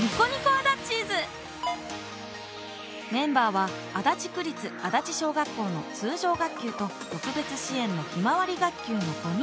メンバーは足立区立足立小学校の通常学級と特別支援のひまわり学級の５人